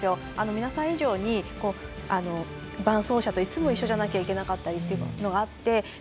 皆さん以上に伴走者といつも一緒じゃなきゃいけなかったりとかがあるので。